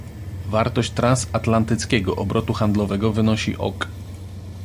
Wartość transatlantyckiego obrotu handlowego wynosi ok